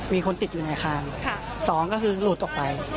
มีคนติดอยู่ในอาคาร๒ก็คือหลุดออกไป